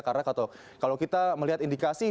karena kalau kita melihat indikasi